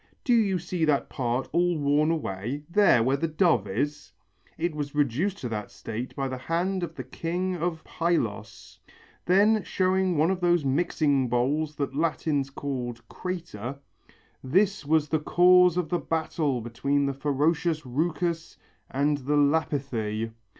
Do you see that part all worn away, there where the dove is? It was reduced to that state by the hand of the king of Pylos." Then showing one of those mixing bowls that Latins called crater, "This was the cause of the battle between the ferocious Rheucus and the Lapithæ."